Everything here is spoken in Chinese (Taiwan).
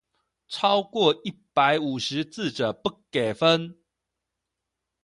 超過一百五十字者不給分